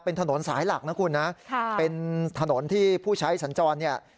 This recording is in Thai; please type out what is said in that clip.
เป็นถนนสายหลักนะคุณนะค่ะเป็นถนนที่ผู้ใช้สัญจรเนี่ย